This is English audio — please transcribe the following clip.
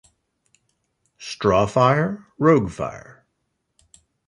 Straw fire, rogue fire.